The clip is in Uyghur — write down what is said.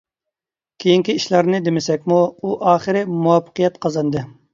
كېيىنكى ئىشلارنى دېمىسەكمۇ، ئۇ ئاخىرى مۇۋەپپەقىيەت قازاندى.